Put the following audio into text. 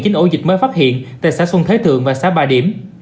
chính ổ dịch mới phát hiện tại xã xuân thế thượng và xã bà điểm